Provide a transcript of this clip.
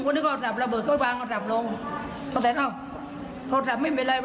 คอนี่ก็สับระเบิดก็วงสับลงพอแทนอ่ะพอชับไม่เป็นไร